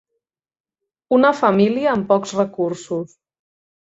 Una família amb pocs recursos.